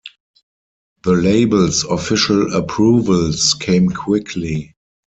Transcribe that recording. The label's official approvals came quickly.